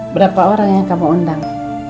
berapa orang yang kamu undang